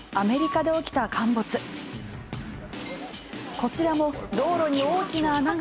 こちらも道路に大きな穴が。